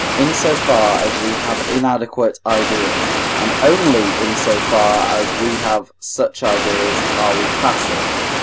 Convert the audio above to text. in so far as we have inadequate ideas; and only in so far as we have such ideas are we passive (III.